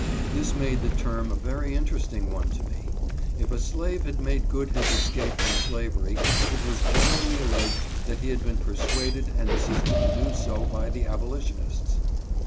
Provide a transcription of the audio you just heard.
This made the term a very interesting one to me. If a slave had made good his escape from slavery, it was generally alleged that he had been persuaded and assisted to do so (108) THE BALTIMORE AMERICAN. 109 by the abolitionists.